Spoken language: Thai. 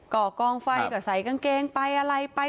ก็กองไฟก็ใส่กางเกงไปอะไรไป